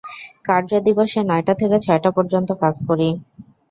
কার্যদিবসে নয়টা থেকে ছয়টা পর্যন্ত কাজ করি।